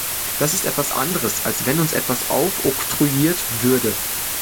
Das ist etwas anderes, als wenn uns etwas aufoktroyiert würde.